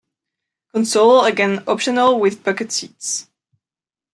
Console again optional with bucket seats.